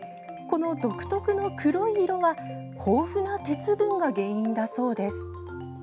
この独特の黒い色は豊富な鉄分が原因だそうです。